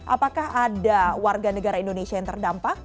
apakah ada warga negara indonesia yang terdampak